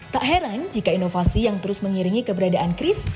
tak heran jika inovasi yang terus mengiringi keberadaan chris